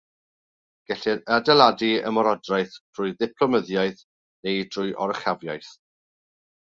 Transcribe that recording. Gellir adeiladu ymerodraeth drwy ddiplomyddiaeth neu drwy oruchafiaeth.